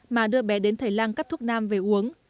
mà đưa bé đến thầy lang cắt thuốc nam về uống